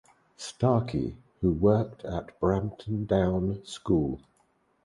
Starkey who worked at Brampton Down School.